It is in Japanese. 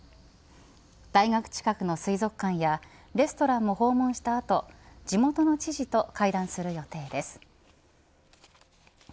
大学近くの水族館やレストランを訪問した後地元の知事と会談する予定です。